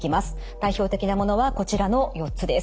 代表的なものはこちらの４つです。